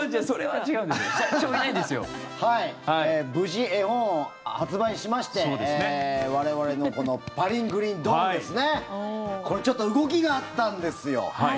無事絵本を発売しまして我々の「パリングリンドーン」ですちょっと動きがあったんですよ。